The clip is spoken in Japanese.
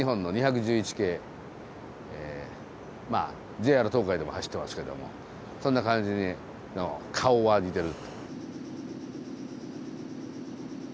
ＪＲ東海でも走ってますけどもそんな感じの顔は似てる。